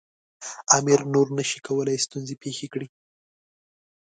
امیر نور نه شي کولای ستونزې پېښې کړي.